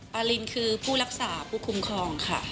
ปารินคือผู้รักษาผู้คุ้มครองค่ะ